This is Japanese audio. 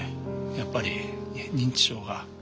やっぱり認知症が。